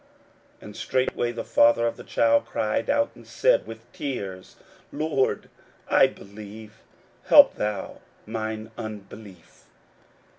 41:009:024 And straightway the father of the child cried out, and said with tears, Lord, I believe; help thou mine unbelief.